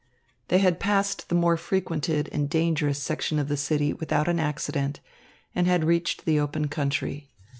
They had passed the more frequented and dangerous section of the city without an accident and had reached the open country.